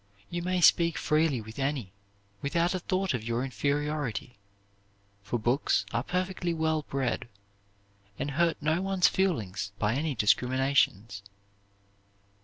You may speak freely with any, without a thought of your inferiority; for books are perfectly well bred, and hurt no one's feelings by any discriminations."